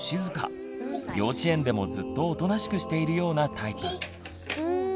幼稚園でもずっとおとなしくしているようなタイプ。